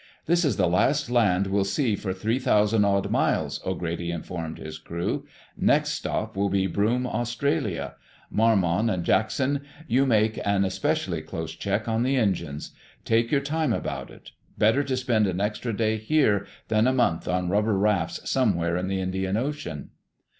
"This is the last land we'll see for three thousand odd miles," O'Grady informed his crew. "Next stop will be Broome, Australia. Marmon and Jackson, you will make an especially close check on the engines. Take your time about it. Better to spend an extra day here than a month on rubber rafts somewhere in the Indian Ocean."